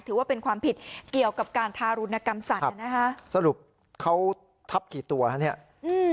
ถือว่าเป็นความผิดเกี่ยวกับการทารุณกรรมสัตว์น่ะนะคะสรุปเขาทับกี่ตัวฮะเนี้ยอืม